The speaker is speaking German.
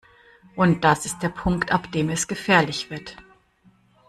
Und das ist der Punkt, ab dem es gefährlich wird.